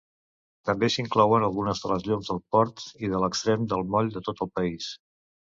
També s"hi inclouen algunes de les llums del port i de l"extrem del moll de tot el país.